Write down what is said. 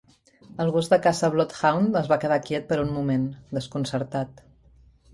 El gos de caça bloodhound es va quedar quiet per un moment, desconcertat.